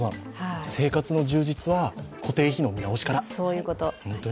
生活の充実は固定費の見直しから、本当に。